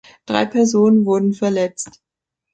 Drei Personen wurden verletzt.